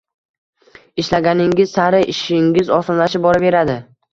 Ishlaganingiz sari ishingiz osonlashib boraveradi.